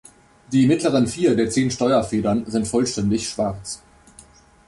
Die mittleren vier der zehn Steuerfedern sind vollständig schwarz.